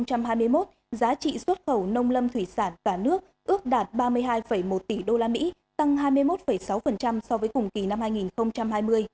giá trị xuất khẩu nông lâm thủy sản cả nước ước đạt ba mươi hai một tỷ usd tăng hai mươi một sáu so với cùng kỳ năm hai nghìn hai mươi